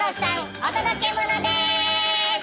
お届けモノです！